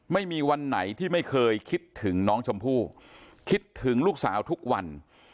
ไม่มีวันไหนที่ไม่เคยคิดถึงน้องชมพู่คิดถึงลูกสาวทุกวัน